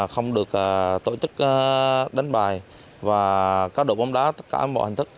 không được tổ chức đánh bài và các đội bóng đá tất cả mọi hành thức